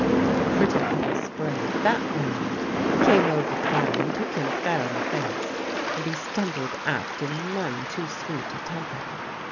A pretty heavy spray at that moment came over the bow and took him fair in the face, and he stumbled aft in none too sweet a temper.